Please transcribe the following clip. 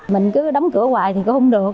mình cứ đóng cửa hoài thì cũng không được